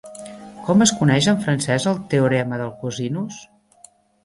Com es coneix en francès el teorema del cosinus?